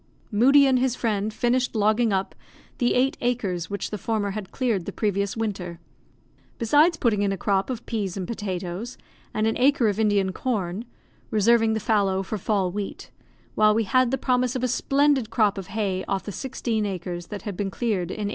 Moodie and his friend finished logging up the eight acres which the former had cleared the previous winter; besides putting in a crop of peas and potatoes, and an acre of Indian corn, reserving the fallow for fall wheat, while we had the promise of a splendid crop of hay off the sixteen acres that had been cleared in 1834.